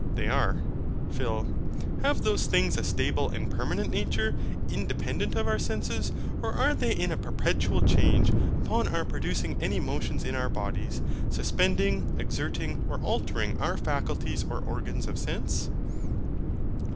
They are. PHIL. Have those things a stable and permanent nature, independent of our senses; or are they in a perpetual change, upon our producing any motions in our bodies suspending, exerting, or altering, our faculties or organs of sense?